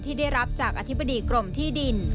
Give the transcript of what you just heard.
ที่ได้รับจากอธิบดีกรมที่ดิน